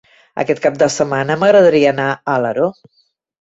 Aquest cap de setmana m'agradaria anar a Alaró.